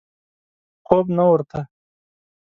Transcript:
خوب نه ورته.